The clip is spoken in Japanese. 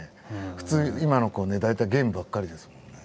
普通今の子はね大体ゲームばっかりですもんね。